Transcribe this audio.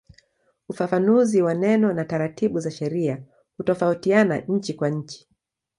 Ufafanuzi wa neno na taratibu za sheria hutofautiana nchi kwa nchi.